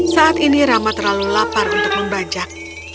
saat ini rama terlalu lapar untuk membajak